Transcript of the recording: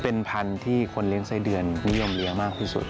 เป็นพันธุ์ที่คนเลี้ยงไส้เดือนนิยมเลี้ยงมากที่สุด